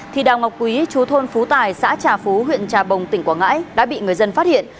thì đào ngọc quý chú thôn phú tài xã trà phú huyện trà bồng tỉnh quảng ngãi đã bị người dân phát hiện